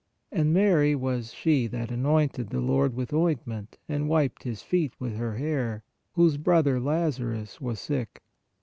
(And Mary was she that anointed the Lord with ointment, and wiped His feet with her hair, whose brother Lazarus was sick.)